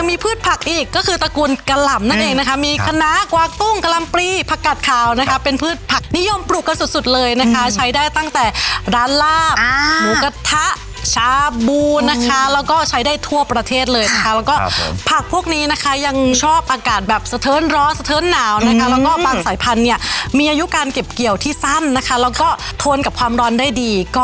เมื่อบ้านเขาเป็นเกาะตกบ่อยมากโอ้นี้เป็นการต่อยอด